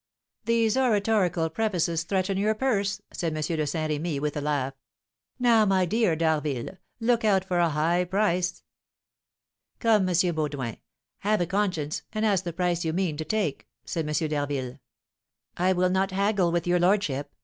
"These oratorical prefaces threaten your purse," said M. de Saint Remy, with a laugh. "Now, my dear D'Harville, look out for a high price." "Come, M. Baudoin, have a conscience, and ask the price you mean to take!" said M. d'Harville. "I will not haggle with your lordship.